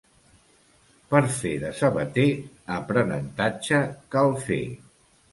Per fer de sabater aprenentatge cal fer.